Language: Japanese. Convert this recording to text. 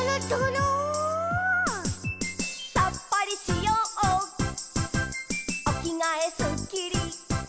「さっぱりしようおきがえすっきり」